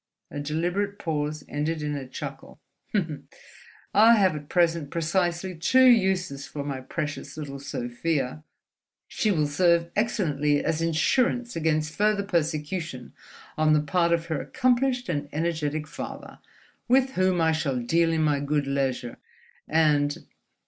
A deliberate pause ended in a chuckle. "I have at present precisely two uses for my precious little Sofia: She will serve excellently as insurance against further persecution on the part of her accomplished and energetic father—with whom I shall deal in my good leisure—and